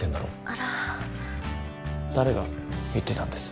あら誰が言ってたんです？